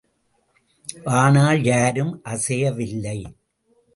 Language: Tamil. ஆனால் யாரும் அசையவில்லை.